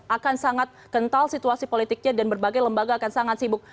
akan sangat kental situasi politiknya dan berbagai lembaga akan sangat sibuk